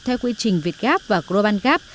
theo quy trình việt gáp và groban gap